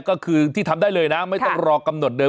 ก็คือที่ทำได้เลยนะไม่ต้องรอกำหนดเดิ